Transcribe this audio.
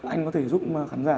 anh có thể giúp khán giả